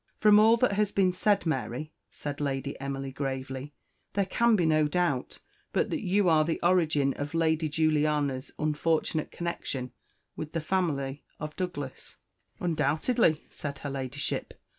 "From all that has been said, Mary," said Lady Emily gravely, "there can be no doubt but that you are the origin of Lady Juliana's unfortunate connection with the family of Douglas." "Undoubtedly," said her Ladyship.